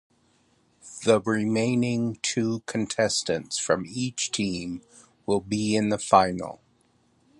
The remaining two contestants from each team will be in the final.